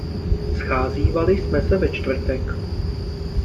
Scházívali jsme se ve čtvrtek.